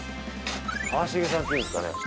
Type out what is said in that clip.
「川茂」さんっていうんですかね。